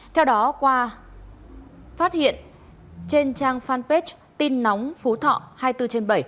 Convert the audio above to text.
theo đó qua phát hiện trên trang fanpage tin nóng phú thọ hai mươi bốn trên bảy